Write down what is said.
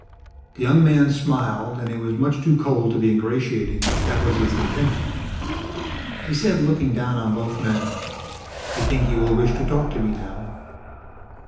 The young man smiled and it was much too cold to be ingratiating if that was its intent. He said, looking down on both men, "I think you will wish to talk to me now."